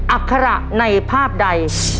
อัคระในภาพใด